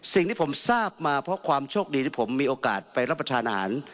สิ่งที่ผมทราบมาเพราะความโชคดีที่ผมมีโอกาสไปรับประทานอาหาร